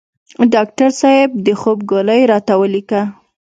ډاکټر صیب د خوب ګولۍ راته ولیکه